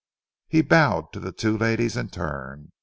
He bowed to the two ladies in turn.